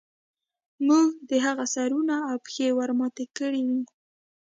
موږ د هغوی سرونه او پښې ورماتې کړې وې